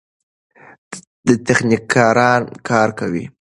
تخنیکران کار کوي.